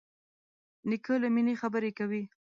نیکه له مینې خبرې کوي.